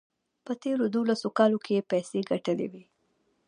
په تېرو دولسو کالو کې یې پیسې ګټلې وې.